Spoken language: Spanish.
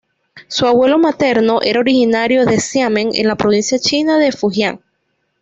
Su abuelo materno era originario de Xiamen en la provincia china de Fujian.